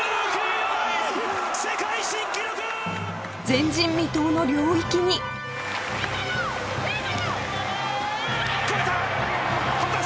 前人未到の領域に超えた！